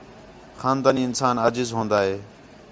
خاندانی انسان عاجز ہون٘دا ہے